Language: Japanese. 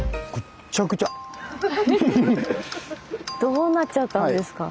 どうなっちゃったんですか？